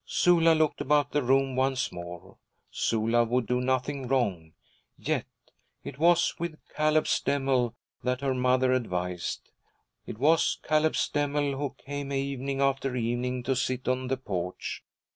Sula looked about the room once more. Sula would do nothing wrong yet. It was with Caleb Stemmel that her mother advised, it was Caleb Stemmel who came evening after evening to sit on the porch.